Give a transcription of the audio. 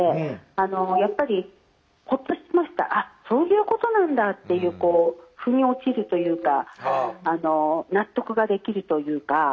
そういうことなんだっていうこう腑に落ちるというか納得ができるというか。